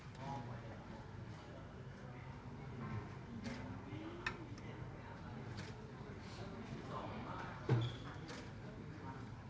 ถึง